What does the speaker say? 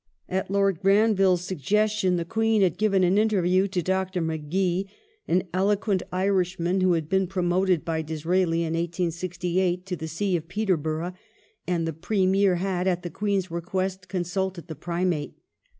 At Lord Granville's suggestion the Queen had given an interview to Dr. Magee, an eloquent Irishman who had been promoted by Disraeli, in 1868, to the See of Peterborough, and the Premier had, at the Queen's request, consulted the Primate.